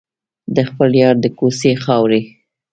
د خپل یار د کوڅې خاورې.